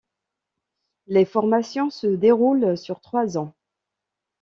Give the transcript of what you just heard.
Les formations se déroulent sur trois ans.